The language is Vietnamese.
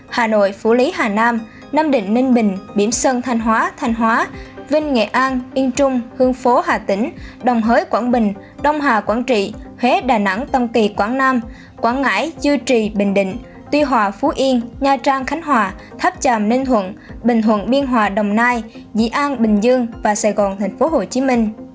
hà nội phú lý hà nam nam định ninh bình biểm sơn thanh hóa thanh hóa vinh nghệ an yên trung hương phố hà tĩnh đồng hới quảng bình đông hà quảng trị huế đà nẵng tâm kỳ quảng nam quảng ngãi dư trì bình định tuy hòa phú yên nha trang khánh hòa tháp chàm ninh huận bình huận biên hòa đồng nai dị an bình dương sài gòn thhcm